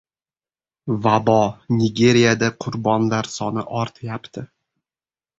Vabo: Nigeriyada qurbonlar soni ortyapti